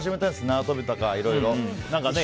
縄跳びとかいろいろ。